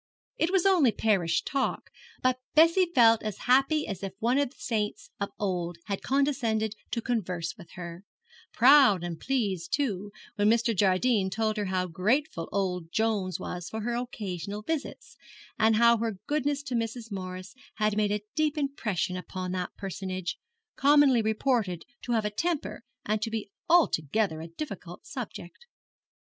It was only parish talk, but Bessie felt as happy as if one of the saints of old had condescended to converse with her proud and pleased, too, when Mr. Jardine told her how grateful old Jones was for her occasional visits, and how her goodness to Mrs. Morris had made a deep impression upon that personage, commonly reported to have 'a temper' and to be altogether a difficult subject.